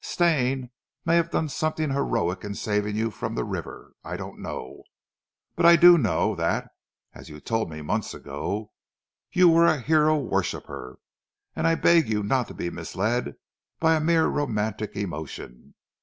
Stane may have done something heroic in saving you from the river, I don't know, but I do know that, as you told me months ago, you were a hero worshipper, and I beg of you not to be misled by a mere romantic emotion.